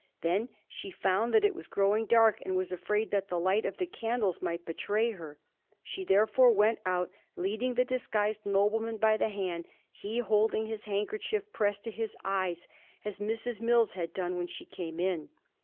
Then she found that it was growing dark, and was afraid that the light of the candles might betray her. She therefore went out, leading the disguised nobleman by the hand, he holding his handkerchief pressed to his eyes, as Mrs. Mills had done when she came in.